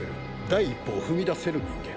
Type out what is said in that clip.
第一歩を踏み出せる人間。